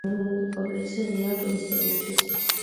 კომპლექსი ღიაა ტურისტებისთვის.